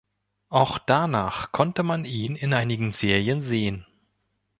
Auch danach konnte man ihn in einigen Serien sehen.